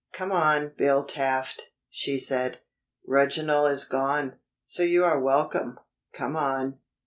"Come on, Bill Taft," she said. "Reginald is gone, so you are welcome. Come on."